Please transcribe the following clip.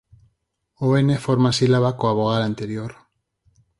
O "n" forma sílaba coa vogal anterior.